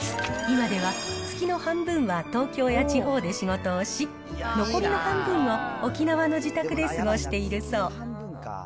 今では、月の半分は東京や地方で仕事をし、残りの半分を沖縄の自宅で過ごしているそう。